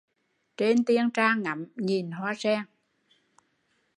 Trên Tiên Tra ngắm, nhìn hoa sen